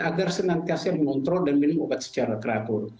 agar senantiasa mengontrol dan minum obat secara teratur